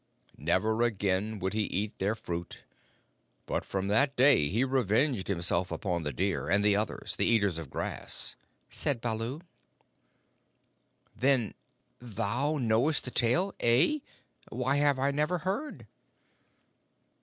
Never again would he eat their fruit; but from that day he revenged himself upon the deer, and the others, the Eaters of Grass," said Baloo. "Then thou knowest the tale. Heh? Why have I never heard?"